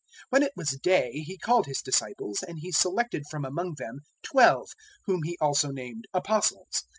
006:013 When it was day, He called His disciples; and He selected from among them twelve, whom He also named Apostles.